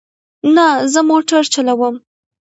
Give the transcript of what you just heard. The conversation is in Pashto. نه، زه موټر چلوم